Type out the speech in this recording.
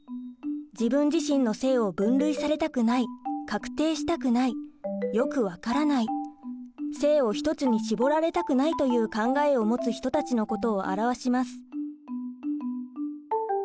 自分自身の性を分類されたくない確定したくないよく分からない性を一つに絞られたくないという考えを持つ人たちのことを表します。